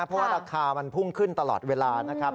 เพราะว่าราคามันพุ่งขึ้นตลอดเวลานะครับ